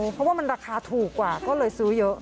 เพราะว่ามันราคาถูกกว่าก็เลยซื้อเยอะ